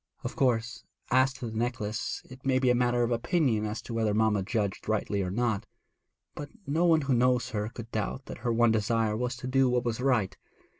'Of course, as to the necklace, it may be a matter of opinion as to whether mamma judged rightly or not; but no one who knows her could doubt that her one desire was to do what was right.